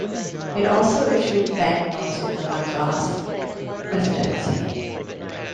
It also issued banknotes in the Madras Presidency.